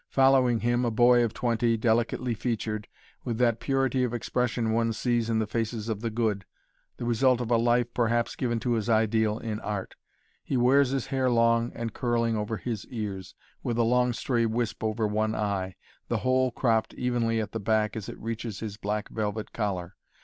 Following him, a boy of twenty, delicately featured, with that purity of expression one sees in the faces of the good the result of a life, perhaps, given to his ideal in art. He wears his hair long and curling over his ears, with a long stray wisp over one eye, the whole cropped evenly at the back as it reaches his black velvet collar.